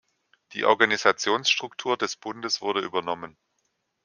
Die Organisationsstruktur des Bundes wurde übernommen.